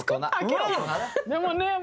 でもね。